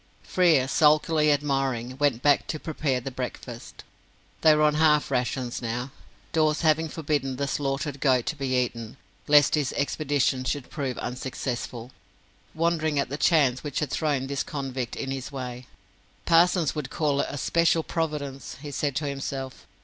Frere, sulkily admiring, went back to prepare the breakfast they were on half rations now, Dawes having forbidden the slaughtered goat to be eaten, lest his expedition should prove unsuccessful wondering at the chance which had thrown this convict in his way. "Parsons would call it 'a special providence,'" he said to himself.